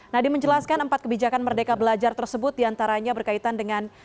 nadiem menjelaskan empat kebijakan merdeka belajar tersebut diantaranya berkaitan dengan